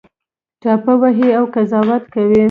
ټاپه وهي او قضاوت کوي